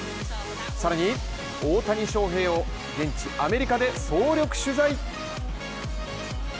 更に大谷翔平を現地アメリカで総力取材。